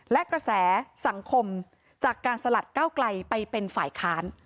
และกระแสสังคมจากการสลัดก้าวไกลไปเป็นฝ่ายค้าน